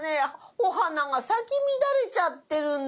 お花が咲き乱れちゃってるんだよ。